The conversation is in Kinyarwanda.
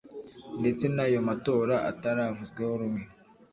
ndetse n’ayo matora ataravuzweho rumwe.